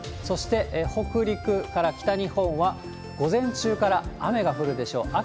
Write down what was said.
そして、北陸から北日本は、午前中から雨が降るでしょう。